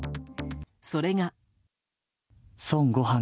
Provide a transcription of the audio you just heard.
それが。